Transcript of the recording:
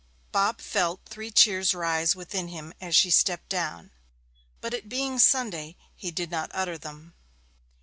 Bob felt three cheers rise within him as she stepped down; but it being Sunday he did not utter them.